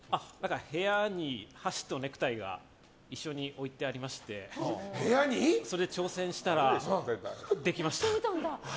部屋に箸とネクタイが一緒に置いてありましてそれで挑戦したらできました。